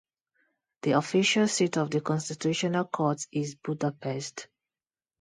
The official seat of the Constitutional Court is Budapest.